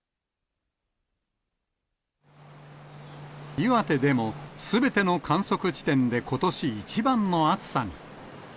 岩手でも、すべての観測地点でことし一番の暑さに。